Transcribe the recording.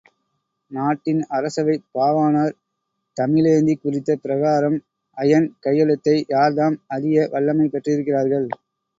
நாட்டின் அரசவைப் பாவாணர் தமிழேந்தி குறித்த பிரகாரம், அயன் கையெழுத்தை யார்தாம் அறிய வல்லமை பெற்றிருக்கிறார்கள்?